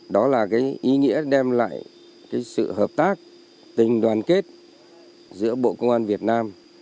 đó là ý nghĩa đem lại sự hợp tác tình đoàn kết giữa bộ công an việt nam